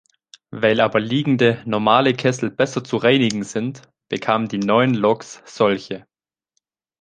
Weil aber liegende normale Kessel besser zu reinigen sind, bekamen die neuen Loks solche.